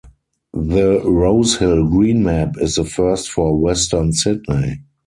The Rosehill Green Map is the first for Western Sydney.